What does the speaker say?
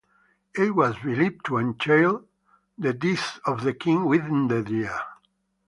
It was believed to entail the death of the king within the year.